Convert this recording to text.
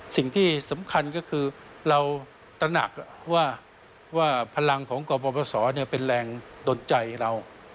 สิ่งที่สำคัญก็คือเราตระหนักว่าพลังของกรปศเป็นแรงดนใจเรา